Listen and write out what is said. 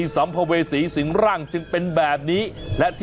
จริงเหรอคะ